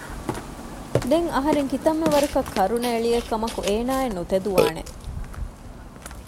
ދެން އަހަރެން ކިތަންމެ ވަރަކަށް ކަރުނަ އެޅިއެއް ކަމަކު އޭނާއެއް ނުތެދުވާނެ